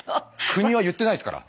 国は言ってないですから。